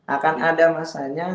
akan ada masanya